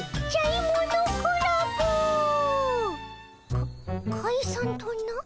かかいさんとな。